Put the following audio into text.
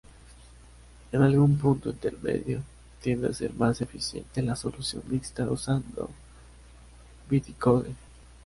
En algún punto intermedio, tiende a ser más eficiente la solución mixta usando "bytecode".